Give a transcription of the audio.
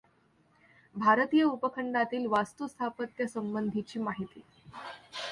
भारतीय उपखंडातील वास्तुस्थापत्यासंबंधीची माहिती.